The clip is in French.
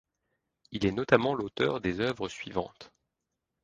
Il est notamment l'auteur des œuvres suivantes.